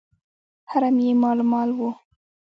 حرم یې مالامال وو.